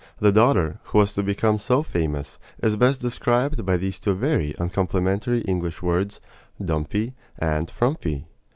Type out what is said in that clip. The daughter, who was to become so famous, is best described by those two very uncomplimentary English words, "dumpy" and "frumpy."